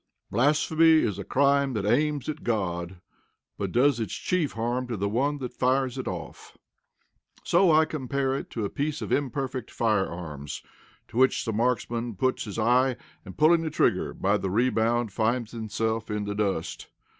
Blasphemy is a crime that aims at God, but does its chief harm to the one that fires it off. So I compare it to a piece of imperfect firearms to which the marksman puts his eye, and, pulling the trigger, by the rebound finds himself in the dust.